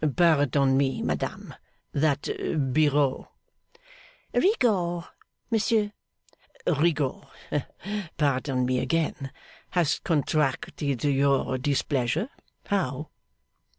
'Pardon me, madame that Biraud.' 'Rigaud, monsieur.' 'Rigaud. Pardon me again has contracted your displeasure, how?